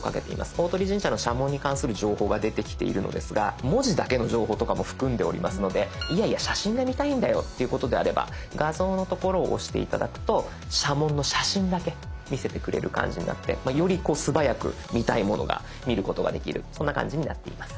大鳥神社の社紋に関する情報が出てきているのですが文字だけの情報とかも含んでおりますのでいやいや写真が見たいんだよということであれば「画像」の所を押して頂くと社紋の写真だけ見せてくれる感じになってより素早く見たいものが見ることができるそんな感じになっています。